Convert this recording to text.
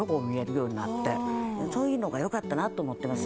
そういうのがよかったなと思ってます。